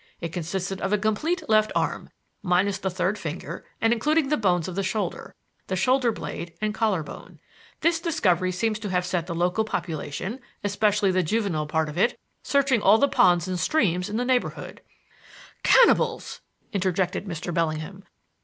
It consisted of a complete left arm, minus the third finger and including the bones of the shoulder the shoulder blade and collar bone. This discovery seems to have set the local population, especially the juvenile part of it, searching all the ponds and streams of the neighborhood " "Cannibals!" interjected Mr. Bellingham.